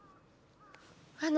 あの。